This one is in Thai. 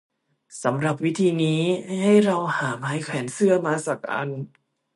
สำหรับวิธีนี้ ให้เราหาไม้แขวนเสื้อมาสักอัน